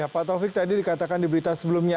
pak taufik tadi dikatakan di berita sebelumnya